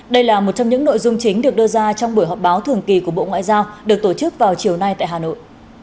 đây là một trong những nội dung chính được đưa ra trong buổi họp báo thường kỳ của bộ ngoại giao được tổ chức vào chiều nay tại hà nội